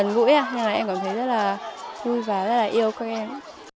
nhưng mà em cảm thấy rất là vui và rất là yêu các em